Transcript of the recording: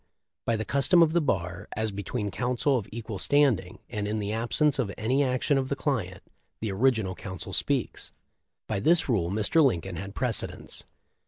By the custom of the bar, as between counsel of equal standing, and in the absence of any action of the client, the original counsel speaks. By this rule Mr. Lincoln had precedence.